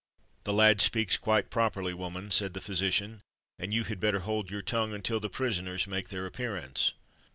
"The lad speaks quite properly, woman," said the physician; "and you had better hold your tongue until the prisoners make their appearance."